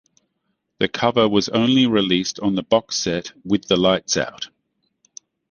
The cover was only released on the box set "With the Lights Out".